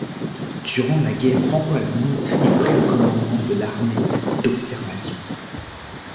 Durant la guerre franco-allemande, il prit le commandement de l'armée d'Observation.